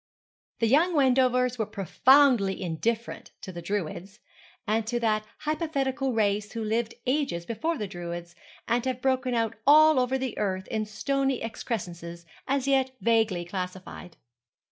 The young Wendovers were profoundly indifferent to the Druids, and to that hypothetical race who lived ages before the Druids, and have broken out all over the earth in stony excrescences, as yet vaguely classified.